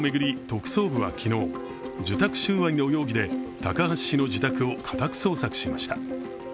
特捜部は昨日、受託収賄の容疑で高橋氏の自宅を家宅捜索しました。